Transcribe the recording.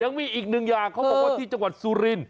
ยังมีอีกหนึ่งอย่างเขาบอกว่าที่จังหวัดสุริน